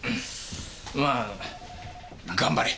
まあ頑張れ！